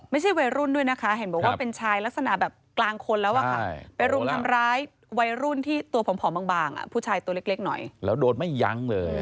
มีอาวุธด้วยนะมีมีดด้วยด้วยค่ะ